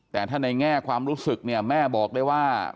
แต่ถ้าในแง่ความรู้สึกเนี่ยแม่บอกได้ว่า